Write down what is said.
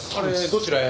どちらへ？